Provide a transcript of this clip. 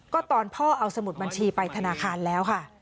ก็ตอนพ่อเอาสมุดบัญชีไปธนาคารแล้วค่ะ